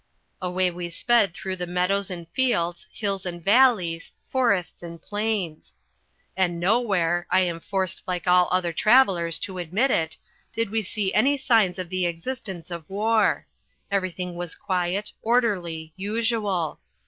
Away we sped through the meadows and fields, hills and valleys, forests and plains. And nowhere I am forced, like all other travellers, to admit it did we see any signs of the existence of war. Everything was quiet, orderly, usual.